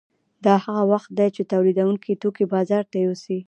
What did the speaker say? دا هغه وخت دی چې تولیدونکي توکي بازار ته یوسي